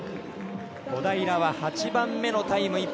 小平は８番目のタイム。